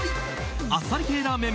あっさり系ラーメン